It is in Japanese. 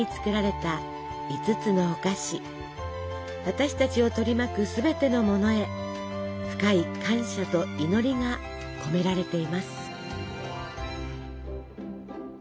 私たちを取り巻くすべてのものへ深い感謝と祈りが込められています。